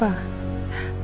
saya gak pernah lupa